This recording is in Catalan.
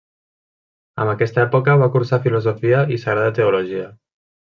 En aquesta època va cursar filosofia i sagrada teologia.